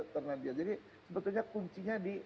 jadi sebetulnya kuncinya di